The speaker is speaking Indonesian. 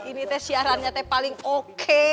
ini teh siarannya teh paling oke